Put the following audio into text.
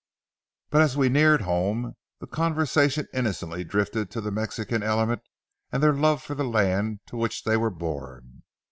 But as we neared home, the conversation innocently drifted to the Mexican element and their love for the land to which they were born.